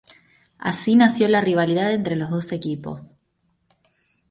Así nació la rivalidad entre los dos equipos.